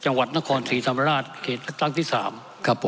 จังหวัดนครศรีธรรมราชเกตตั้งที่๓พประลังประชารัฐครับครับ